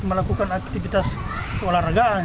melakukan aktivitas olahragaan